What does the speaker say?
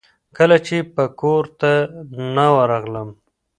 کله چې به کورته نه ورغلم.